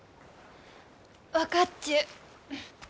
分かっちゅう。